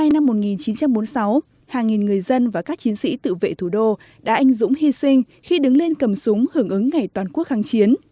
ngày một mươi chín tháng một mươi hai năm một nghìn chín trăm bốn mươi sáu hàng nghìn người dân và các chiến sĩ tự vệ thủ đô đã anh dũng hy sinh khi đứng lên cầm súng hưởng ứng ngày toàn quốc kháng chiến